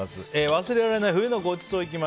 忘れられない冬のごちそう。